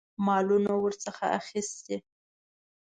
مالونه ورڅخه اخیستي.